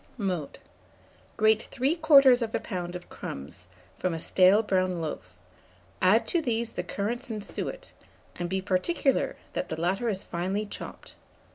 Mode. Grate 3/4 lb. of crumbs from a stale brown loaf; add to these the currants and suet, and be particular that the latter is finely chopped.